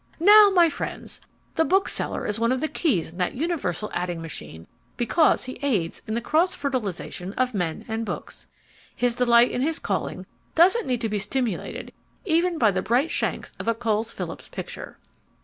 "Now, my friends, the bookseller is one of the keys in that universal adding machine, because he aids in the cross fertilization of men and books. His delight in his calling doesn't need to be stimulated even by the bright shanks of a Coles Phillips picture.